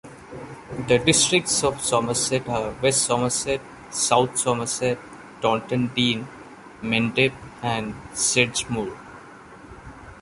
The districts of Somerset are West Somerset, South Somerset, Taunton Deane, Mendip and Sedgemoor.